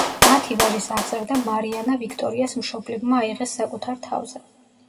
მათი ვაჟის აღზრდა მარიანა ვიქტორიას მშობლებმა აიღეს საკუთარ თავზე.